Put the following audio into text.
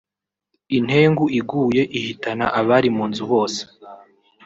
intengu iguye ihitana abari mu nzu bose